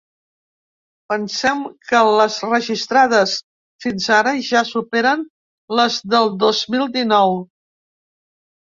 Pensem que les registrades fins ara ja superen les del dos mil dinou.